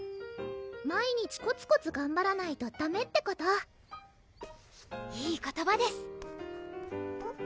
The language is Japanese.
毎日こつこつがんばらないとダメってこといい言葉ですうん？